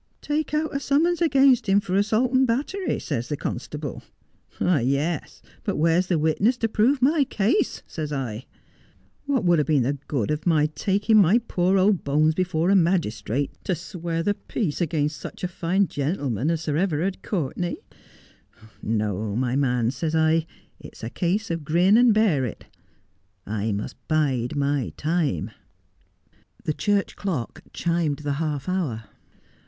" Take out a summons against him for assault and battery," says the constable. " Yes, but where's the witness to prove my case 1 " asks I. "What would have been the good of my taking my poor old bones before a magistrate to swear the peace against such a fine gentleman as Sir Everard Courtenay. " No / must bide my Time. 251 my man," says I, " it's a case of grin and bear it. I must bide my time." ' The church clock chimed the half hour.